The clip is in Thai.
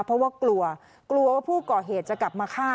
เพราะว่ากลัวกลัวว่าผู้ก่อเหตุจะกลับมาฆ่า